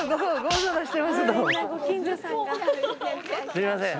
すいません。